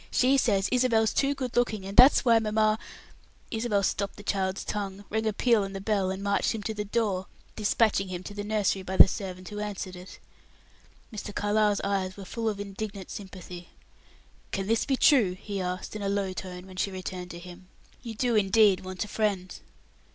She says Isabel's too good looking, and that's why mamma " Isabel stopped the child's tongue, rang a peal on the bell, and marched him to the door, dispatching him to the nursery by the servant who answered it. Mr. Carlyle's eyes were full of indignant sympathy. "Can this be true?" he asked, in a low tone when she returned to him. "You do, indeed, want a friend."